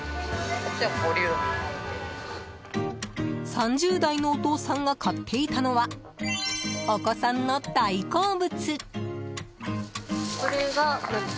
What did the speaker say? ３０代のお父さんが買っていたのはお子さんの大好物。